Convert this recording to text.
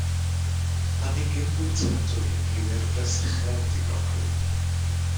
Planhigyn bwytadwy yn nheulu'r fresychen ydy brocoli.